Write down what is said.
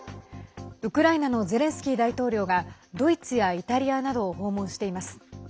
ウクライナのゼレンスキー大統領がドイツやイタリアなどを訪問しています。